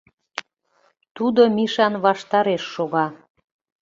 Тудо Мишан ваштареш шога.